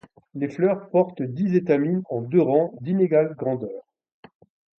Les fleurs portent dix étamines en deux rangs d'inégale grandeur.